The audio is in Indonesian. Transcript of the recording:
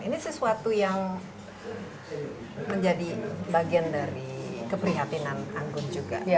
ini sesuatu yang menjadi bagian dari keprihatinan anggun juga